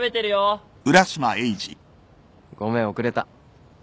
ごめん遅れた。